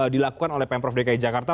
dilakukan oleh pemprov dki jakarta